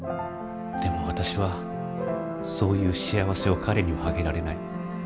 でも私はそういう幸せを彼にはあげられない。